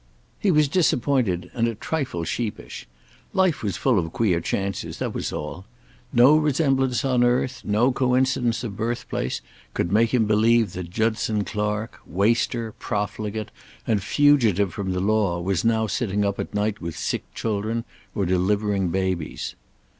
He was disappointed and a trifle sheepish. Life was full of queer chances, that was all. No resemblance on earth, no coincidence of birthplace, could make him believe that Judson Clark, waster, profligate and fugitive from the law was now sitting up at night with sick children, or delivering babies.